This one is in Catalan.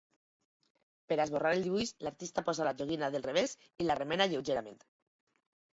Per esborrar el dibuix, l'artista posa la joguina al revés i la remena lleugerament.